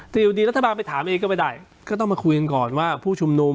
แต่อยู่ดีรัฐบาลไปถามเองก็ไม่ได้ก็ต้องมาคุยกันก่อนว่าผู้ชุมนุม